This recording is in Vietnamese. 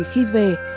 để rồi khi về